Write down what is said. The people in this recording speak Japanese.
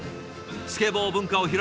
「スケボー文化を広める」。